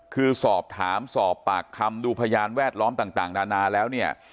คือสอบถามสอบปากคำดูพยานแวดล้อมต่างนานาแล้วเนี่ย